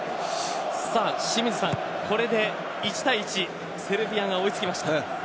清水さん、これで１対１セルビアが追い付きました。